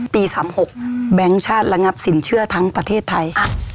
๓๖แบงค์ชาติระงับสินเชื่อทั้งประเทศไทย